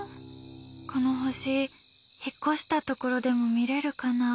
この星、引っ越したところでも見れるかな。